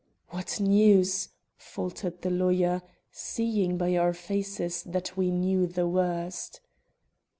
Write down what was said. "What news?" faltered the lawyer, seeing by our faces that we knew the worst.